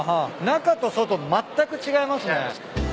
中と外まったく違いますね。